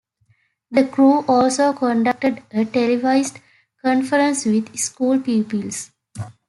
The crew also conducted a televised conference with school pupils.